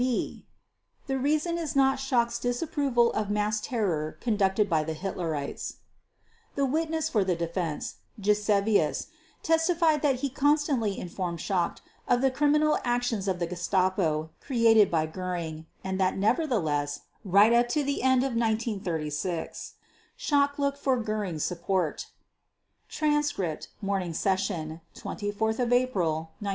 b) The reason is not Schacht's disapproval of mass terror conducted by the Hitlerites. The witness for the Defense, Gisevius, testified that he constantly informed Schacht of the criminal actions of the Gestapo, created by Göring, and that nevertheless, right up to the end of 1936, Schacht looked for "Göring's support" (Transcript, Morning Session, 24 April 1946).